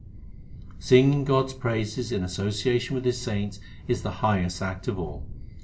Singing God s praises in association with His saints is the highest act of all.